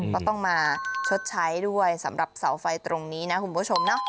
ก็ต้องมาชดใช้ด้วยสำหรับเสาไฟตรงนี้นะคุณผู้ชมเนาะ